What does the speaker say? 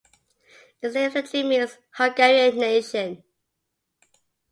Its name literally means "Hungarian nation".